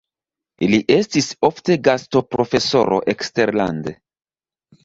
Li estis ofte gastoprofesoro eksterlande.